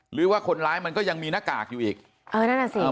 หรือว่าคนร้ายมันก็ยังมีหน้ากากอยู่อีกเออนั่นน่ะสิ